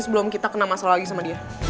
sebelum kita kena masalah lagi sama dia